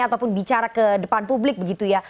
ataupun bicara ke depan publik begitu ya